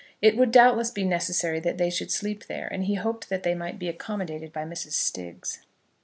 It would doubtless be necessary that they should sleep there, and he hoped that they might be accommodated by Mrs. Stiggs.